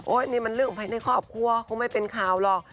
นี่มันเรื่องภายในครอบครัวคงไม่เป็นข่าวหรอก